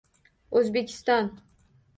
O'zbekiston